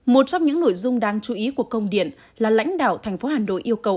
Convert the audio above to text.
một trong những nội dung đáng chú ý của công điện là lãnh đạo tp hà nội yêu cầu